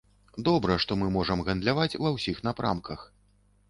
Добра, што мы можам гандляваць ва ўсіх напрамках.